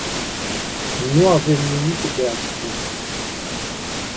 Nu avem nimic de ascuns.